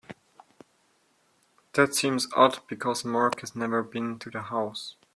That seems odd because Mark has never been to the house.